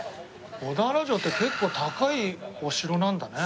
小田原城って結構高いお城なんだね。